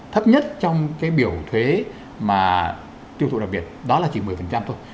thấp nhất trong cái biểu thuế mà tiêu thụ đặc biệt đó là chỉ một mươi thôi